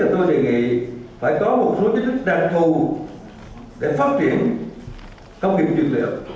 tôi đề nghị phải có một số chức đặc thù để phát triển công nghiệp dược liệu